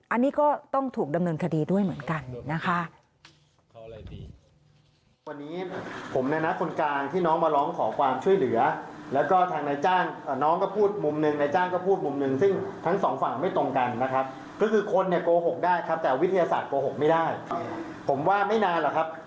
อันนี้ก็ต้องถูกดำเนินคดีด้วยเหมือนกันนะคะ